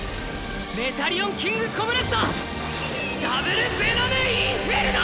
メタリオン・キングコブラスターダブル・ヴェノム・インフェルノ！